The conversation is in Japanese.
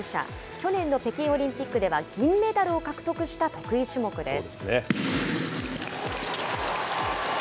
去年の北京オリンピックでは銀メダルを獲得した得意種目です。